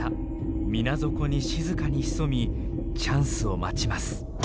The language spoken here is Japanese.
水底に静かに潜みチャンスを待ちます。